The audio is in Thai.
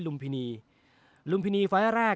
ลุมพินีลุมพินีฟ